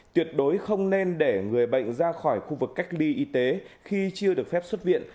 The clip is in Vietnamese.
tuyệt đối không nên để người bệnh ra khỏi khu vực cách ly y tế khi chưa được phép xuất viện